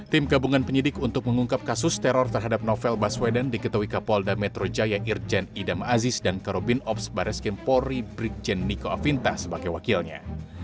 tim gabungan penyidik untuk mengungkap kasus teror terhadap novel baswedan diketahui kapolda metro jaya irjen idam aziz dan karobin ops bareskrimpori brigjen niko afinta sebagai wakilnya